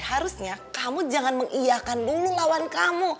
harusnya kamu jangan mengiyakan dulu lawan kamu